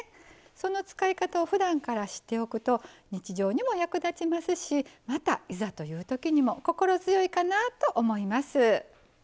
その使い方をふだんから知っておくと日常にも役立ちますしまたいざというときにも心強いかなと思います。